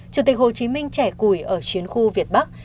chủ tịch hồ chí minh trẻ cùi ở chiến khu việt bắc